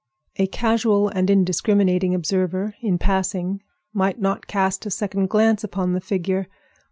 A casual and indiscriminating observer, in passing, might not cast a second glance upon the figure.